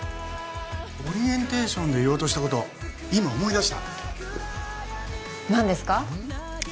オリエンテーションで言おうとしたこと今思い出した何ですか？